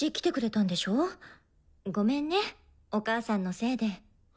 ごめんねお母さんのせいで。